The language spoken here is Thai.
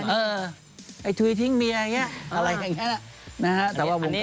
พี่ใส่กันย้ำไม่มีการเกรงใจสะดุให้ถึงเมียอะไรแบบนี้